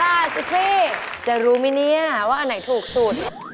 เอาล่ะซิฟฟี่จะรู้มั้ยเนี่ยว่าอันไหนถูกสุด